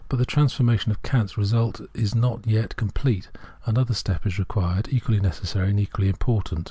But the transformation of Kant's result is not yet| complete; another step is required, equally necessary^ and equally important.